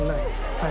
はい。